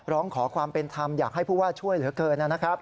ร้องขอความเป็นธรรมอยากให้ผู้ว่าช่วยเหลือเกินนะครับ